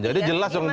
jadi jelas dong